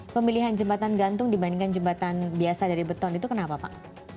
pemilihan jembatan gantung dibandingkan jembatan biasa dari beton itu kenapa pak